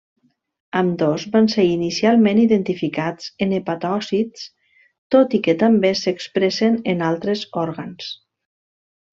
Ambdós van ser inicialment identificats en hepatòcits, tot i que també s'expressen en altres òrgans.